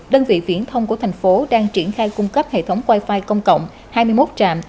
đơn vị viễn thông của thành phố đang triển khai cung cấp hệ thống wi fi công cộng hai mươi một trạm